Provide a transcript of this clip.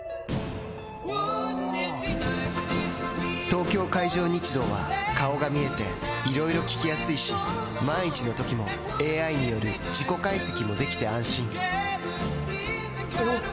東京海上日動は顔が見えていろいろ聞きやすいし万一のときもＡＩによる事故解析もできて安心おぉ！